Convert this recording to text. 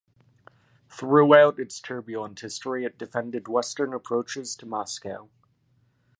Throughout its turbulent history, it defended western approaches to Moscow.